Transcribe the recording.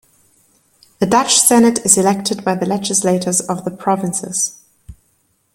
The Dutch Senate is elected by the legislatures of the provinces.